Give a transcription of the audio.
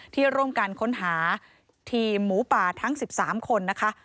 ที่ร่วมกันค้นหาทีมหมูป่าทั้ง๑๓คนนะคะ